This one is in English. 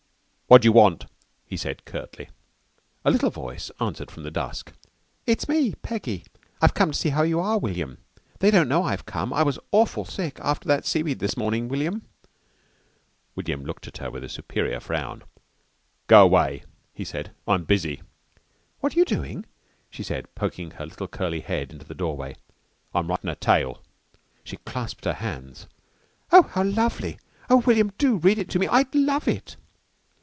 "What d'you want?" he said curtly. A little voice answered from the dusk. "It's me Peggy. I've come to see how you are, William. They don't know I've come. I was awful sick after that seaweed this morning, William." William looked at her with a superior frown. "Go away," he said, "I'm busy." "What you doing?" she said, poking her little curly head into the doorway. "I'm writin' a tale." She clasped her hands. "Oh, how lovely! Oh, William, do read it to me. I'd love it!"